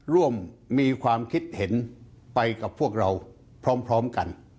มีความคิดเห็นไปกับพวกเราพร้อมกัน